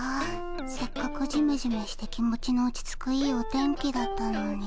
せっかくジメジメして気持ちの落ち着くいいお天気だったのに。